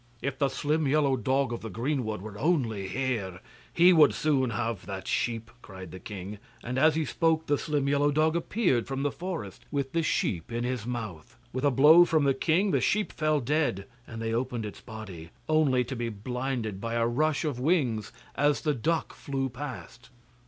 'If the slim yellow dog of the greenwood were only here, he would soon have that sheep,' cried the king; and as he spoke, the slim yellow dog appeared from the forest, with the sheep in his mouth. With a blow from the king, the sheep fell dead, and they opened its body, only to be blinded by a rush of wings as the duck flew past.